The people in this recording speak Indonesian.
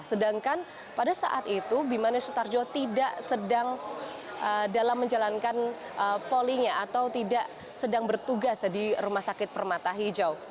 sedangkan pada saat itu bimane sutarjo tidak sedang dalam menjalankan polinya atau tidak sedang bertugas di rumah sakit permata hijau